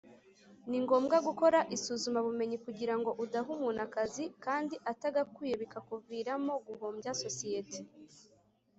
ni ngombwa gukora isuzuma bumenyi kugirango udaha umuntu akazi kandi atagakwiye bikakuviramo guhombya sosiyeti